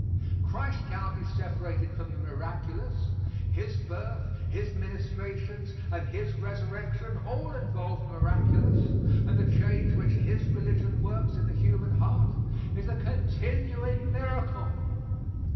Christ cannot be separated from the miraculous; His birth, His ministrations, and His resurrection, all involve the miraculous, and the change which His religion works in the human heart is a continuing miracle.